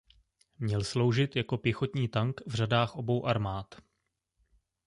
Měl sloužit jako pěchotní tank v řadách obou armád.